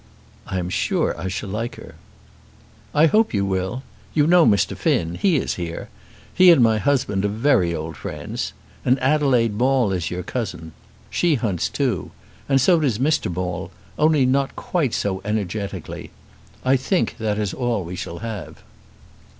"I am sure I shall like her." "I hope you will. You know Mr. Finn. He is here. He and my husband are very old friends. And Adelaide Maule is your cousin. She hunts too. And so does Mr. Maule, only not quite so energetically. I think that is all we shall have."